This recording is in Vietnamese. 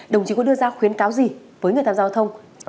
đồng chí có đưa ra khuyến cáo gì với người tham gia giao thông